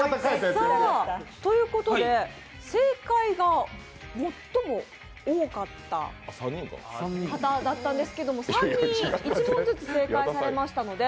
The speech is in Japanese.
正解が最も多かった方だったんですけど、３人１問ずつ正解されましたので。